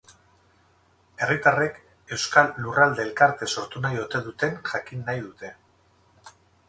Herritarrek euskal lurralde elkarte sortu nahi ote duten jakin nahi dute.